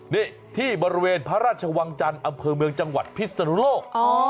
นี่ที่บริเวณพระราชวังจันทร์อำเภอเมืองจังหวัดพิศนุโลก